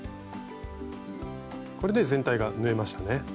これで全体が縫えましたね。